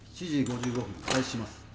７時５５分開始します。